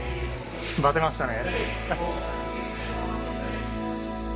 バテましたね。